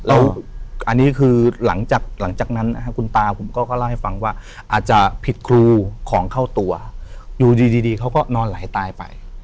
แล้วอันนี้คือหลังจากนั้นนะครับคุณตาผมก็เล่าให้ฟังว่าอาจจะผิดครูของเข้าตัวอยู่ดีเขาก็นอนไหลตายไป